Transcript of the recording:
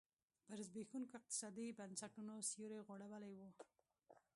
پر زبېښونکو اقتصادي بنسټونو سیوری غوړولی و.